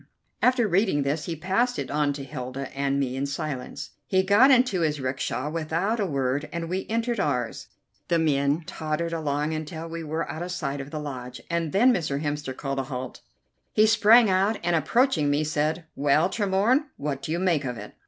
After reading this he passed it on to Hilda and me in silence. He got into his 'rickshaw without a word, and we entered ours. The men tottered along until we were out of sight of the lodge, and then Mr. Hemster called a halt. He sprang out, and, approaching me, said: "Well, Tremorne, what do you make of it?"